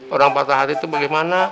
orang patah hati itu bagaimana